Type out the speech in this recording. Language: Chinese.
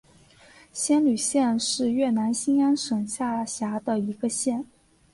仙侣县是越南兴安省下辖的一个县。